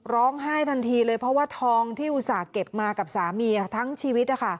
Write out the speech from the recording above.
ร้องไห้ทันทีเลยเพราะว่าทองที่อุตส่าห์เก็บมากับสามีทั้งชีวิต